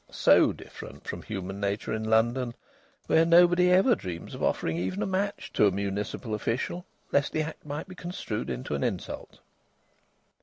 So different from human nature in London, where nobody ever dreams of offering even a match to a municipal official, lest the act might be construed into an insult.